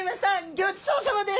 ギョちそうさまです！